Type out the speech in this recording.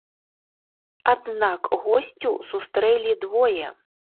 Аднак госцю сустрэлі двое.